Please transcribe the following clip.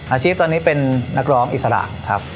อาชีพตอนนี้เป็นนักร้องอิสระครับ